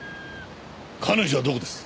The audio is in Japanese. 彼女はどこです？